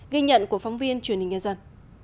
ghi nhận của phóng viên truyền hình nhân dân